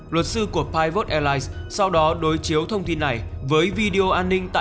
luật sư của pivot airlines sau đó đối chiếu thông tin này với video an ninh tại sân bay punta cana